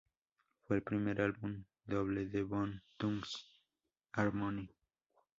Fue el primer álbum doble de Bone Thugs N-Harmony.